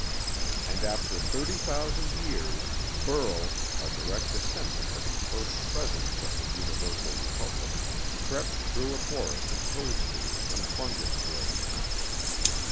And after thirty thousand years, Burl, a direct descendant of the first president of the Universal Republic, crept through a forest of toadstools and fungus growths.